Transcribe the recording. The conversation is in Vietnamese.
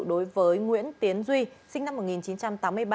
đối với nguyễn tiến duy sinh năm một nghìn chín trăm tám mươi ba